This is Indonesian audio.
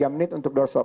tiga menit untuk dorsop